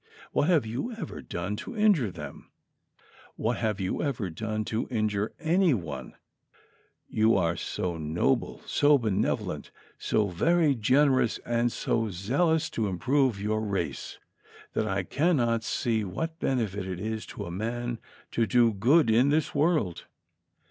What have you ever done to injure them ? What have you ever done to injure any one ? You are so noble, so benevolent, so very gene rous and so zealous to improve your race, that I cannot see what benefit it is to a man to do good in this world."